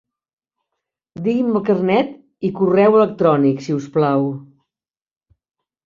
Digui'm el carnet i correu electrònic, si us plau.